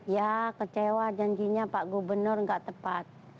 ya kecewa janjinya pak gubernur nggak tepat